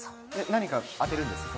何かあてるんですか？